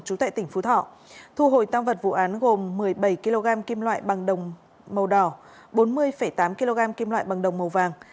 trú tại tỉnh phú thọ thu hồi tam vật vụ án gồm một mươi bảy kg kim loại bằng đồng màu đỏ bốn mươi tám kg kim loại bằng đồng màu vàng